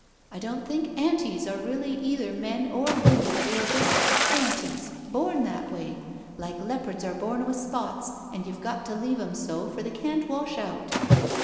I don't think ' Antis ' are really either men or women, they are just ' Antis,' born that way, like leopards are bom with spots, and you've got to leave 'em so, for they can't wash out.